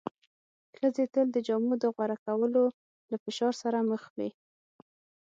ښځې تل د جامو د غوره کولو له فشار سره مخ وې.